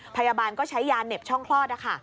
พยาบาลก็ใช้ยาเหน็บช่องคลอดนะคะ